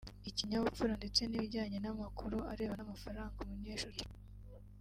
ikinyabupfura ndetse n’ibijyanye n’amakuru arebana n’amafaranga umunyeshuri yishyura